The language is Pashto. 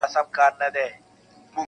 • له مستیه مي غزل څومره سرشار دی..